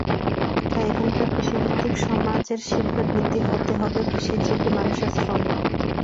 তাই এখানকার কৃষিভিত্তিক সমাজের শিল্পের ভিত্তি হতে হবে কৃষিজীবী মানুষের শ্রম।